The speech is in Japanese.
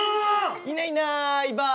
いないいないばあ。